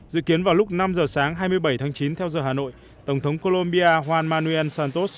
dự kiến vào lúc năm giờ sáng hai mươi bảy tháng chín theo giờ hà nội tổng thống colombia hoanmanuel santos